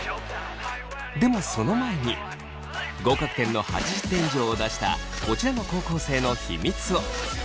でもその前に合格点の８０点以上を出したこちらの高校生の秘密を。